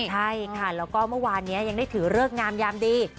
ใช่ค่ะแล้วก็เมื่อวานนี้ยังได้ถือเลิกงามยามดี